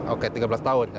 oke tiga belas tahun